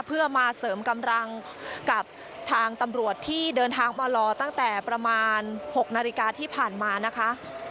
เพื่อมาเสริมกำลังกับทางตำรวจที่เดินทางมารอตั้งแต่ประมาณ๖นาฬิกาที่ผ่านมานะคะ